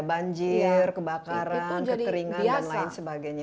banjir kebakaran kekeringan dan lain sebagainya